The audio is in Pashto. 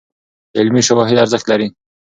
علمي شواهد ارزښت لري.